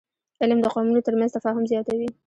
علم د قومونو ترمنځ تفاهم زیاتوي